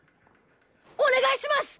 おねがいします！